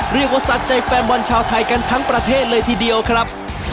สะใจแฟนบอลชาวไทยกันทั้งประเทศเลยทีเดียวครับ